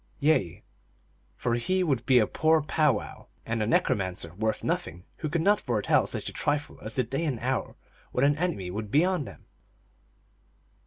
Yea, for he would be a poor powwow and a necromancer worth nothing who could not foretell such a trifle as the day and hour when an enemy would be on them